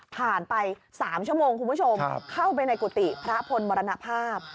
ผ่านไป๓ชั่วโมงคุณผู้ชมเข้าไปในกุฏิพระพลมรณภาพ